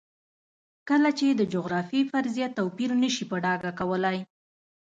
کله چې د جغرافیې فرضیه توپیر نه شي په ډاګه کولی.